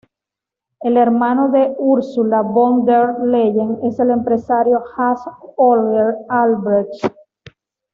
El hermano de Ursula von der Leyen es el empresario Hans Holger Albrecht.